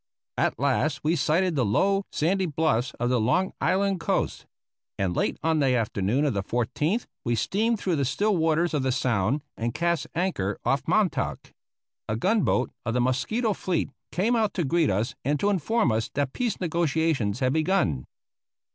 At last we sighted the low, sandy bluffs of the Long Island coast, and late on the afternoon of the 14th we steamed through the still waters of the Sound and cast anchor off Montauk. A gun boat of the Mosquito fleet came out to greet us and to inform us that peace negotiations had begun.